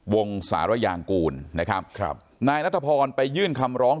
วงสารยางกูลนะครับครับนายนัทพรไปยื่นคำร้อง